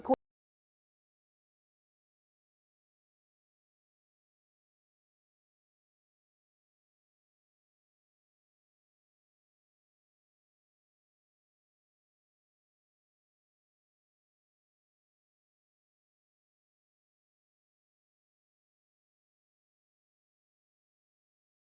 คุณผู้ชายเสื้อเหลืองที่บอกเล่าให้ทีมข่าวเราฟังก็คือ